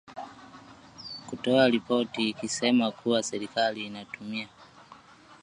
kutoa ripoti ikisema kuwa serikali inatumia